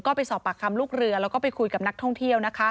ก็ไปสอบปากคำลูกเรือแล้วก็ไปคุยกับนักท่องเที่ยวนะคะ